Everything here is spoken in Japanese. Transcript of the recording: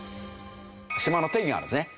島の定義があるんですね。